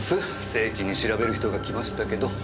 正規に調べる人が来ましたけど。